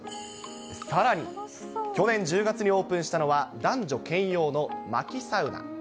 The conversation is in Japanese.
さらに、去年１０月にオープンしたのは、男女兼用のまきサウナ。